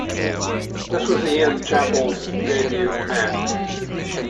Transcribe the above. This was Ian Chappell's debut match.